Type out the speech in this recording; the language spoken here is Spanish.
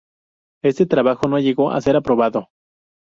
Este trabajo no llegó a ser aprobado.